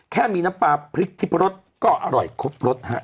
แค่มีน้ำปลาพริกทิพรสก็อร่อยครบรสฮะ